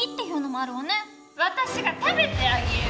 私が食べてあげよう。